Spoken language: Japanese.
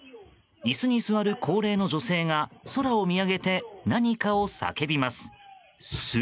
椅子に座る高齢の女性が空を見上げて何かを叫びます。